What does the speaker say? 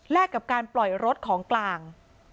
กับการปล่อยรถของกลาง